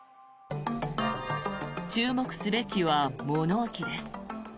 注目すべきは物置です。